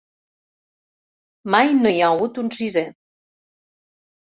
Mai no hi ha hagut un sisè.